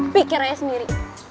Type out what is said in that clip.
pikir aja sendiri